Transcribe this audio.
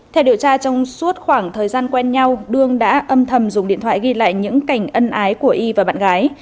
theo điều tra trong suốt khoảng thời gian quen nhau đương đã âm thầm dùng điện thoại ghi lại những cảnh ân ái của y và bạn gái